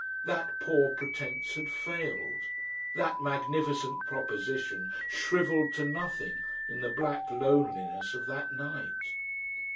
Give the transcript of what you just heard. That poor pretence had failed. That magnificent proposition shrivelled to nothing in the black loneliness of that night.